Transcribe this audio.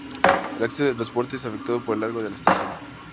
El acceso de transporte es efectuado por el Largo de la Estación.